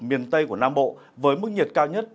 miền tây của nam bộ với mức nhiệt cao nhất